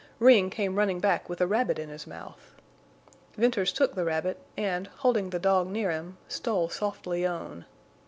Ring came running back with a rabbit in his mouth. Venters took the rabbit and, holding the dog near him, stole softly on.